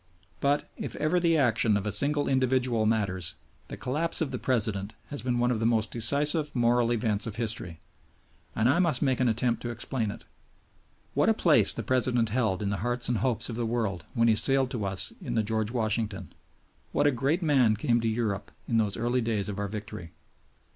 But, if ever the action of a single individual matters, the collapse of The President has been one of the decisive moral events of history; and I must make an attempt to explain it. What a place the President held in the hearts and hopes of the world when he sailed to us in the George Washington! What a great man came to Europe in those early days of our victory!